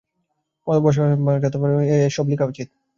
অসাবধানে ও যা তা ভাবে না লিখে সঠিক ও পাণ্ডিত্যপূর্ণভাবে এ-সব লেখা উচিত।